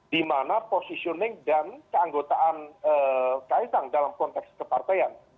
di mana positioning dan keanggotaan kaisang dalam konteks kepartaian